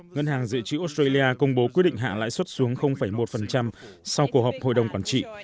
ngân hàng dự trữ australia công bố quyết định hạ lãi suất xuống một sau cuộc họp hội đồng quản trị